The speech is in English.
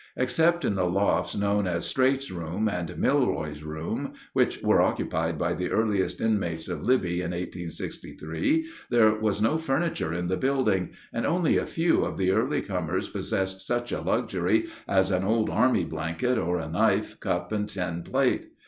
Except in the lofts known as "Streight's room" and "Milroy's room," which were occupied by the earliest inmates of Libby in 1863, there was no furniture in the building, and only a few of the early comers possessed such a luxury as an old army blanket or a knife, cup, and tin plate.